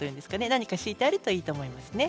何か敷いてあるといいと思います。